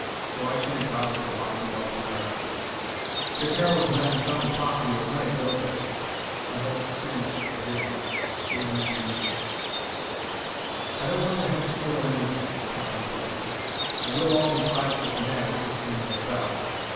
So I shan't bother to lock you up hereafter. Jacaro's men come and talk to you at night, don't they?" Von Holtz cringed again. It was an admission. "I don't want to have to kill any of them," said Tommy pleasantly, "and we'll all be classed as mad if this thing gets out.